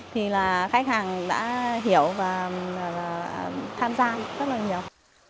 thì là khách hàng đã hiểu và tham gia rất là nhiều